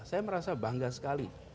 saya merasa bangga sekali